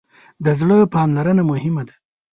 د زړه پاملرنه مهمه ده.